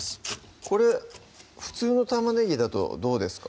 これ普通の玉ねぎだとどうですか？